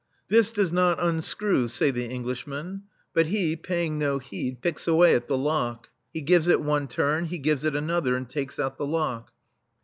"This does not unscrew,'* say the Englishmen. But he, paying no heed, picks away at the lock. He gives it one turn, he gives it another, — and takes out the lock.